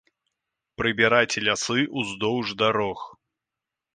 Прыбіраць лясы, уздоўж дарог.